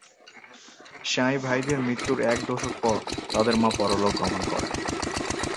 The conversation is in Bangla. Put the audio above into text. সাঁই-ভাইদের মৃত্যুর এক দশক পর তাদের মা পরলোক গমন করেন।